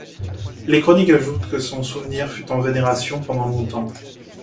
Les chroniques ajoutent que son souvenir fut en vénération pendant longtemps.